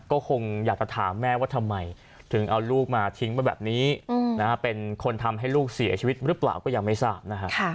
ก็คงอยากจะถามแม่ว่าทำไมถึงเอาลูกมาทิ้งไปแบบนี้เป็นคนทำให้ลูกเสียชีวิตหรือเปล่าก็ยังไม่ทราบนะครับ